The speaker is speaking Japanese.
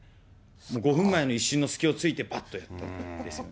５分前の一瞬の隙をついてぱっとやったと。